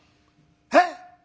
「えっ！？